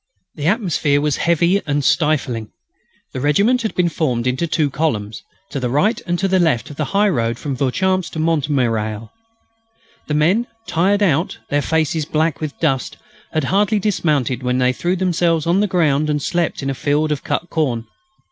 The atmosphere was heavy and stifling. The regiment had been formed into two columns, to the right and the left of the high road from Vauchamps to Montmirail. The men, tired out, their faces black with dust, had hardly dismounted when they threw themselves on the ground and slept in a field of cut corn.